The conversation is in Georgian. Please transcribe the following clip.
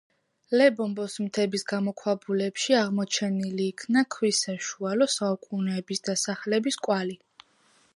ლებომბოს მთების გამოქვაბულებში აღმოჩენილი იქნა ქვის საშუალო საუკუნეების დასახლების კვალი.